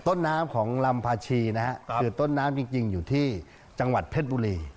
ต้นน้ำของลำพาชีนะฮะคือต้นน้ำจริงอยู่ที่จังหวัดเพชรบุรี